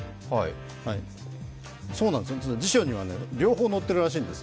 辞書には両方載ってるらしいんです。